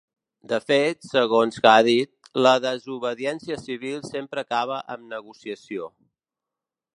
De fet, segons que ha dit, la desobediència civil sempre acaba amb negociació.